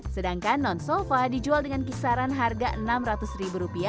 sedangkan non sofa dijual dengan kisaran harga rp enam ratus